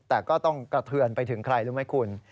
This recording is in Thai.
แต่ก็ต้องกระเทือนไปถึงใครรู้ไหมคุณ